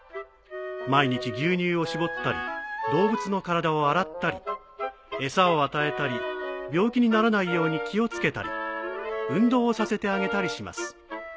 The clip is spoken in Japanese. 毎日牛乳を搾ったり動物の体を洗ったり餌を与えたり病気にならないように気を付けたり運動をさせてあげたりします。